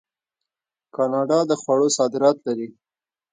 کاناډا د خوړو صادرات لري.